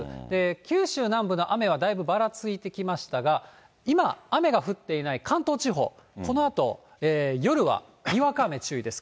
九州南部の雨はだいぶばらついてきましたが、今、雨が降っていない関東地方、このあと、夜はにわか雨注意です。